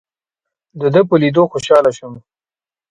دده په لیدو خوشاله شوم.